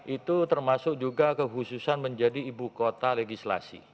itu termasuk juga kehususan menjadi ibu kota legislasi